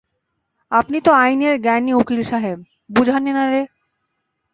আপনি তো আইনের জ্ঞানি উকিল সাহেব, বুঝান এনারে।